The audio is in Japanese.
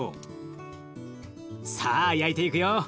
さあ焼いていくよ。